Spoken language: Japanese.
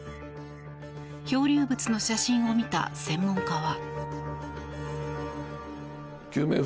漂流物の写真を見た専門家は。